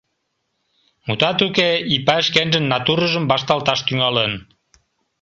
Мутат уке, Ипай шкенжын натурыжым вашталташ тӱҥалын.